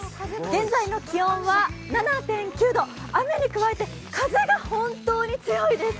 現在の気温は７．９度、雨に加えて風が本当に強いです。